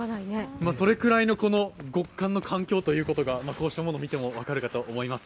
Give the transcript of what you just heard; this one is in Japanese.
それくらいの極寒の環境ということがこうしたものを見ても分かるかと思います。